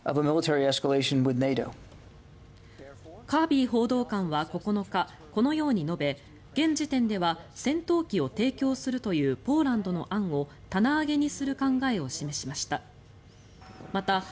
カービー報道官は９日このように述べ現時点では戦闘機を提供するというポーランドの案を棚上げにする考えを示しました。